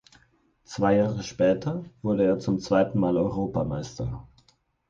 Zwei Jahre später wurde er zum zweiten Mal Europameister.